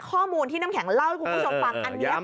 ข้อมูลที่น้ำแข็งเล่าให้คุณผู้ชมฟังอันนี้